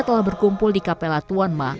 telah berkumpul di kapela tuan ma